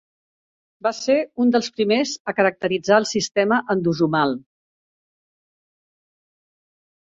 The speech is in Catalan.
Va ser un dels primers a caracteritzar el sistema endosomal.